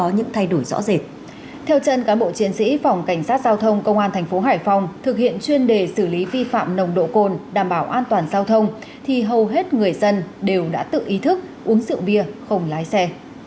nếu các bạn ở thành phố hải phòng thực hiện chuyên đề xử lý vi phạm nồng độ cồn đảm bảo an toàn giao thông thì hầu hết người dân đều đã tự ý thức uống rượu bia không lái xe